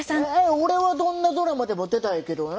俺はどんなドラマでも出たいけどな。